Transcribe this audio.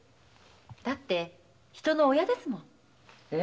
だって人の親ですもん。